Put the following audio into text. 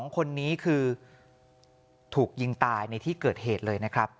๒คนนี้คือถูกยิงตายในที่เกิดเหตุเลยนะครับ